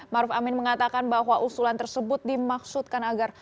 maruf amin mengatakan bahwa usulan tersebut dimaksudkan agar